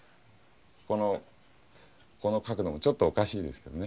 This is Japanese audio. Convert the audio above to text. このこの角度もちょっとおかしいですけどね。